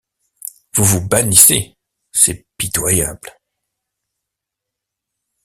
Vous vous bannissez, c’est pitoyable.